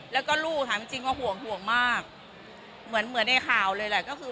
แล้วก็ลูกถามจริงจริงว่าห่วงห่วงมากเหมือนเหมือนในข่าวเลยแหละก็คือ